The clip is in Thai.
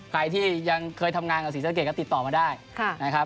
ใครที่ยังเคยทำงานกับสีเส้นเกลียดก็ติดต่อมาได้